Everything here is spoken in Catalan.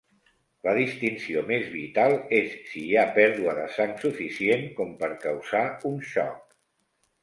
La distinció més vital és si hi ha pèrdua de sang suficient com per causar un xoc.